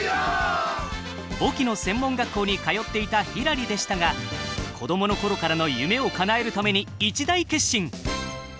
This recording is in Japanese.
簿記の専門学校に通っていたひらりでしたが子供の頃からの夢をかなえるために一大決心。